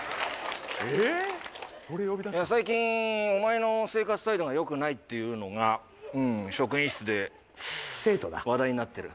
最近お前の生活態度が良くないっていうのがうん職員室で話題になってる。